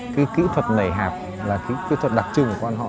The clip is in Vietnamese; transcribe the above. cái kỹ thuật nảy hạp là cái kỹ thuật đặc trưng của quan họ